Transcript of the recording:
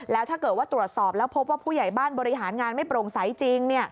แล้วถ้าเกิดว่าตรวจสอบแล้วพบว่าผู้ใหญ่บ้านบริหารงานไม่โปร่งใสจริง